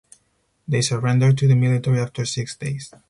They surrendered to the military after six days.